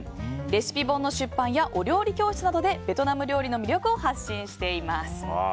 レシピ本の出版やお料理教室などでベトナム料理の魅力を発信しています。